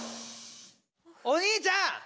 お兄ちゃん！